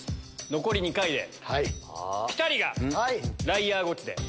残り２回でピタリがライアーゴチで。